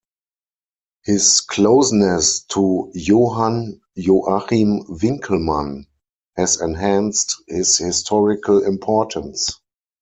His closeness to Johann Joachim Winckelmann has enhanced his historical importance.